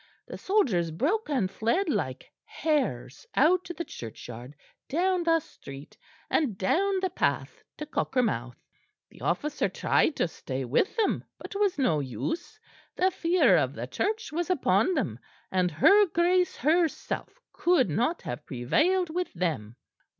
The soldiers broke and fled like hares, out of the churchyard, down the street and down the path to Cockermouth; the officer tried to stay them, but 'twas no use; the fear of the Church was upon them, and her Grace herself could not have prevailed with them.